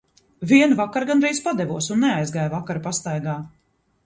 Vienu vakaru gandrīz padevos un neizgāju vakara pastaigā.